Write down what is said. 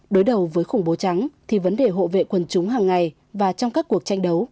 đối đầu với khủng bố trắng thì vấn đề hộ vệ quần chúng hàng ngày và trong các cuộc tranh đấu